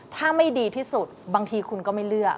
ถ้าไม่ดีที่สุดบางทีคุณก็ไม่เลือก